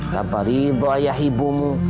tak pari buah ayah ibumu